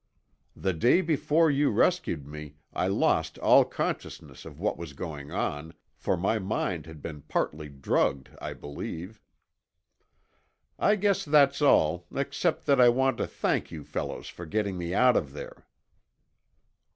The day before you rescued me I lost all consciousness of what was going on, for my mind had been partly drugged, I believe. I guess that's all except that I want to thank you fellows for getting me out of there."